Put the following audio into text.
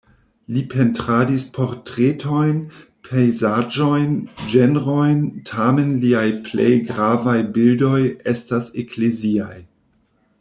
Li pentradis portretojn, pejzaĝojn, ĝenrojn, tamen liaj plej gravaj bildoj estas ekleziaj.